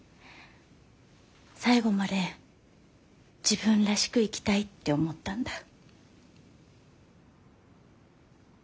最後まで自分らしく生きたいって思ったんだ。